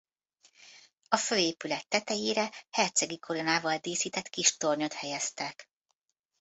A főépület tetejére hercegi koronával díszített kis tornyot helyeztek.